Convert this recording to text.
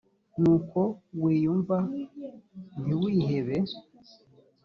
n uko wiyumva ntiwihebe